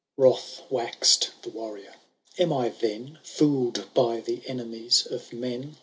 XIII. Wroth wax'd the Warrior.— Am I then Foord by the enemies of men.